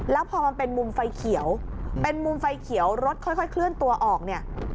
แล้วพอมันเป็นมุมไฟเขียวเป็นมุมไฟเขียวรถค่อยเคลื่อนตัวออกเนี่ย